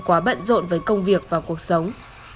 quá bận rộn với công việc và cuộc sống